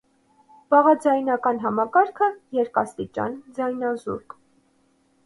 Բաղաձայնական համակարգը՝ երկաստիճան ձայնազուրկ։